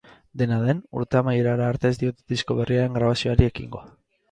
Dena den, urte amaierara arte ez diote disko berriaren grabazioari ekingo.